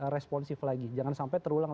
responsif lagi jangan sampai terulang